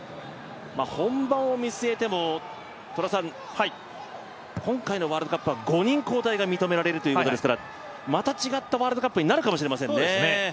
本番を見据えても、今回のワールドカップは５人交代が認められるということですからまた違ったワールドカップになるかもしれませんね。